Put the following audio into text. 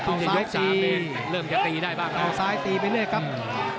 เอาซ้ายตีเริ่มจะตีได้บ้างนะเอาซ้ายตีไปเรื่อยครับ